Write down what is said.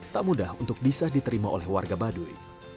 tak mudah untuk bisa diterima oleh warga baduy